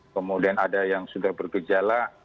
kemudian ada yang sudah bergejala